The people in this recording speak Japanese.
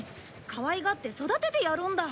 かわいがって育ててやるんだ。